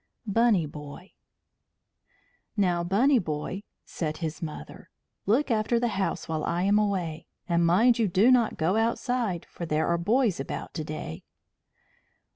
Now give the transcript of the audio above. BUNNY BOY "Now, Bunny Boy," said his mother, "look after the house while I am away, and mind you do not go outside, for there are boys about to day."